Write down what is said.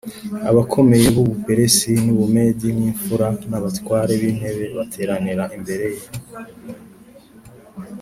abakomeye b’u Buperesi n’u Bumedi n’imfura n’abatware b’intebe bateranira imbere ye